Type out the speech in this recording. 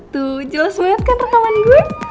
tuh jelas banget kan rekaman gue